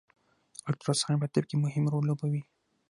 الټراساونډ په طب کی مهم رول لوبوي